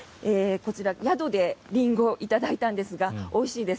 こちら、宿でリンゴを頂いたんですがおいしいです。